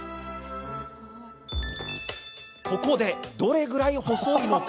ここで、どれぐらい細いのか？